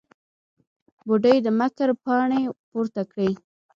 بوډۍ د مکر پاڼې پورته کړې.